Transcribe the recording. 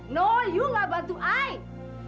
tidak ibu nggak bantu ibu